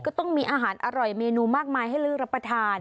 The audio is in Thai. ก็ต้องมีอาหารอร่อยเมนูมากมายให้เลือกรับประทาน